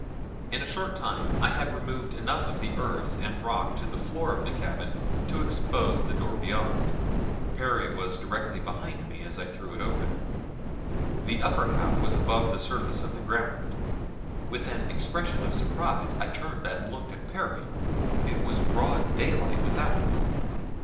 In a short time I had removed enough of the earth and rock to the floor of the cabin to expose the door beyond. Perry was directly behind me as I threw it open. The upper half was above the surface of the ground. With an expression of surprise I turned and looked at Perry it was broad daylight without!